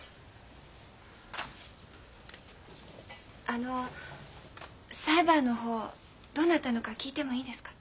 あの裁判の方どうなったのか聞いてもいいですか？